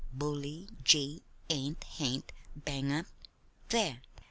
"Bully gee ain't hain't bang up! There!"